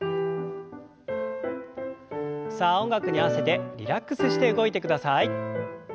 さあ音楽に合わせてリラックスして動いてください。